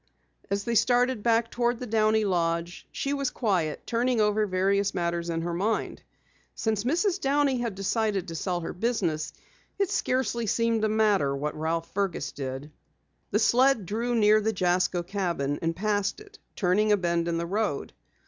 As they started back toward the Downey lodge, she was quiet, turning over various matters in her mind. Since Mrs. Downey had decided to sell her business, it scarcely seemed to matter what Ralph Fergus did. The sled drew near the Jasko cabin and passed it, turning a bend in the road.